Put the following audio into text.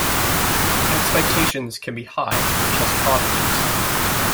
Expectations can be high for chess prodigies.